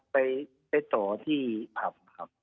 ไปเผาที่ภัพย์